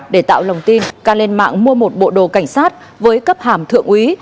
để tạo lòng tin ca lên mạng mua một bộ đồ cảnh sát với cấp hàm thượng úy